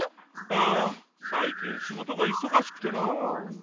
ああ最近仕事がいそがしくてな。